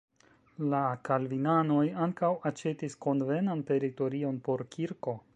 La kalvinanoj ankaŭ aĉetis konvenan teritorion por kirko.